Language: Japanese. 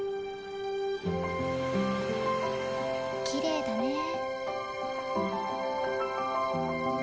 きれいだね。